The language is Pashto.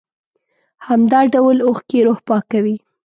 همدا ډول اوښکې روح پاکوي.